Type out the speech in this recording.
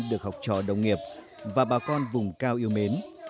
được học trò đồng nghiệp và bà con vùng cao yêu mến